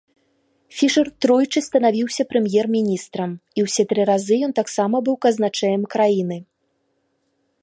Фішэр тройчы станавіўся прэм'ер-міністрам і ўсе тры разы ён таксама быў казначэем краіны.